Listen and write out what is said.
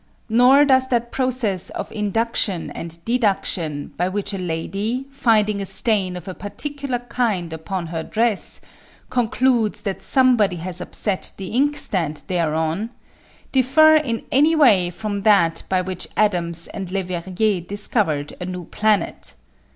Nor does that process of induction and deduction by which a lady, finding a stain of a particular kind upon her dress, concludes that somebody has upset the inkstand thereon, differ in any way from that by which Adams and Leverrier discovered a new planet.